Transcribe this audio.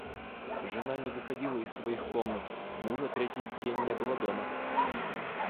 Жена не выходила из своих комнат, мужа третий день не было дома.